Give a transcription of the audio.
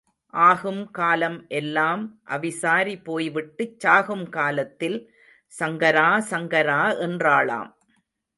ஆகும் காலம் எல்லாம் அவிசாரி போய் விட்டுச் சாகும் காலத்தில் சங்கரா சங்கரா என்றாளாம்.